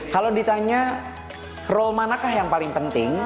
kalau ditanya role manakah yang paling penting